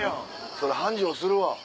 そら繁盛するわ。